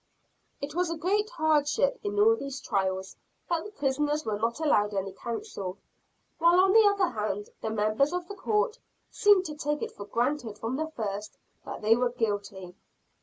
It was a great hardship in all these trials, that the prisoners were not allowed any counsel; while on the other hand, the members of the Court seemed to take it for granted from the first, that they were guilty.